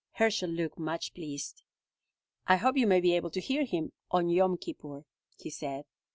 Herschel looked much pleased. "I hope you may be able to hear him on 'Yom Kippur,'" he said.